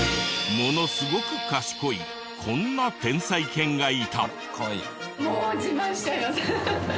ものすごく賢いこんな天才犬がいた。